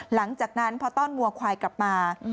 หลังจากนั้นพอต้อนวัวควายกลับมา